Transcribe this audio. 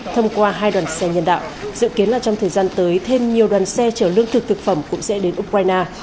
thông qua hai đoàn xe nhân đạo dự kiến là trong thời gian tới thêm nhiều đoàn xe chở lương thực thực phẩm cũng sẽ đến ukraine